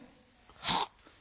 はっ。